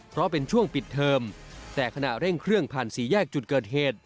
เพราะเป็นช่วงปิดเทอมแต่ขณะเร่งเครื่องผ่านสี่แยกจุดเกิดเหตุ